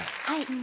はい。